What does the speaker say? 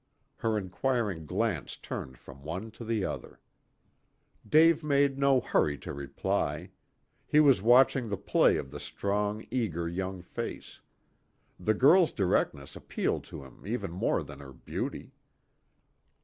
Her inquiring glance turned from one to the other. Dave made no hurry to reply. He was watching the play of the strong, eager young face. The girl's directness appealed to him even more than her beauty.